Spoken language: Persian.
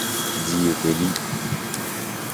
زیردلی